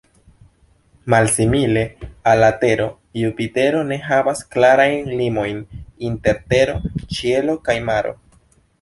Malsimile al la Tero, Jupitero ne havas klarajn limojn inter tero, ĉielo kaj maro.